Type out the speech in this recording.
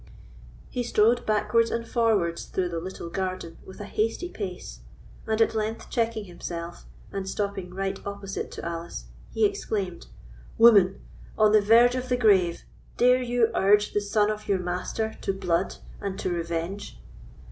He strode backwards and forwards through the little garden with a hasty pace; and at length checking himself, and stopping right opposite to Alice, he exclaimed: "Woman! on the verge of the grave, dare you urge the son of your master to blood and to revenge?"